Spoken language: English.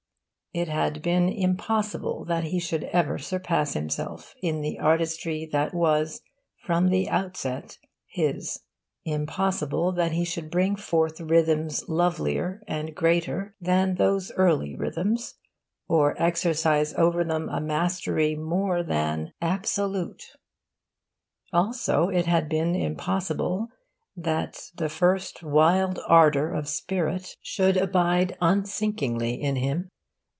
It had been impossible that he should ever surpass himself in the artistry that was from the outset his; impossible that he should bring forth rhythms lovelier and greater than those early rhythms, or exercise over them a mastery more than absolute. Also, it had been impossible that the first wild ardour of spirit should abide unsinkingly in him.